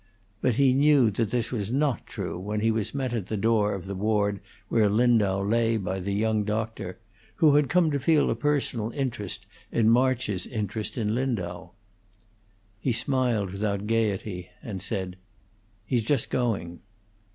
But he knew that this was not true when he was met at the door of the ward where Lindau lay by the young doctor, who had come to feel a personal interest in March's interest in Lindau. He smiled without gayety, and said, "He's just going."